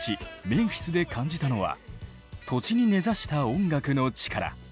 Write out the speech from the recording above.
メンフィスで感じたのは土地に根ざした音楽の力。